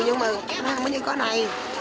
nhưng mà nó không có những cái này